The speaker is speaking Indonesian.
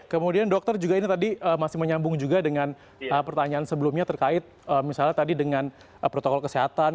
kemudian dokter juga ini tadi masih menyambung juga dengan pertanyaan sebelumnya terkait misalnya tadi dengan protokol kesehatan